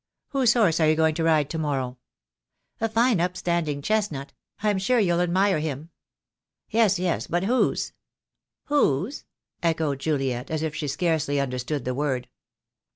"Whose horse are you going to ride to morrow?" "A fine upstanding chestnut; I'm sure you'll admire him?" "Yes, yes, but whose?" "Whose?" echoed Juliet, as if she scarcely understood the word.